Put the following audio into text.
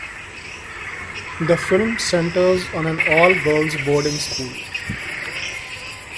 The film centers on an all-girls boarding school.